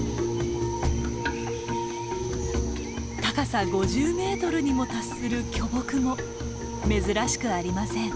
高さ５０ｍにも達する巨木も珍しくありません。